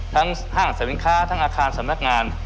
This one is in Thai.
ห้างสรรค้าทั้งอาคารสำนักงาน